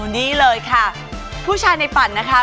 นี่เลยค่ะผู้ชายในฝันนะคะ